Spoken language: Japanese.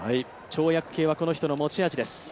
跳躍系は、この人の持ち味です。